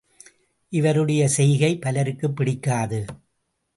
இவருடைய செய்கை பலருக்குப் பிடிக்காது.